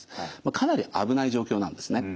かなり危ない状況なんですね。